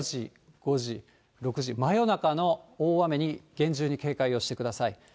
５時、６時、真夜中の大雨に厳重に警戒をしてください。